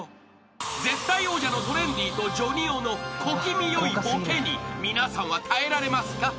［絶対王者のトレンディとジョニ男の小気味よいボケに皆さんは耐えられますか？］